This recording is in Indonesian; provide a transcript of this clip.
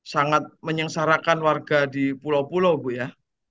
sangat menyengsarakan warga di pulau pulau bu ya